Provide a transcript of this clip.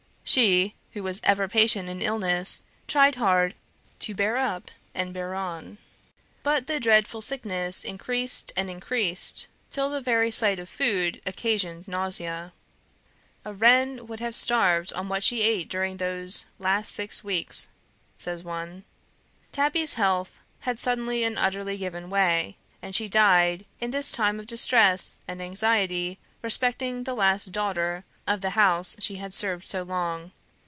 She, who was ever patient in illness, tried hard to bear up and bear on. But the dreadful sickness increased and increased, till the very sight of food occasioned nausea. "A wren would have starved on what she ate during those last six weeks," says one. Tabby's health had suddenly and utterly given way, and she died in this time of distress and anxiety respecting the last daughter of the house she had served so long.